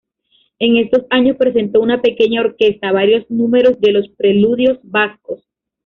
En estos años presentó en pequeña orquesta varios números de los "Preludios Vascos".